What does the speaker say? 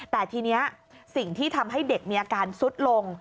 แต่ทีนี้สิ่งที่ทำให้เด็กมีอาการซุดลง